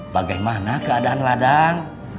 bagaimana keadaan ladang